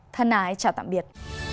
thân ái chào tạm biệt